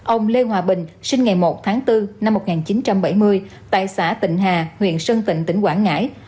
ông lê hòa bình sinh ngày một tháng bốn năm một nghìn chín trăm bảy mươi tại xã tịnh hà huyện sơn tịnh tỉnh quảng ngãi